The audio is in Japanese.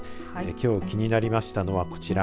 きょう気になりましたのはこちら。